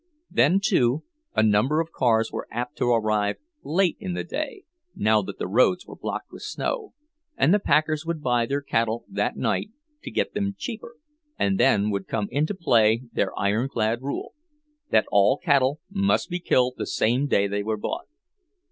Then, too, a number of cars were apt to arrive late in the day, now that the roads were blocked with snow, and the packers would buy their cattle that night, to get them cheaper, and then would come into play their ironclad rule, that all cattle must be killed the same day they were bought.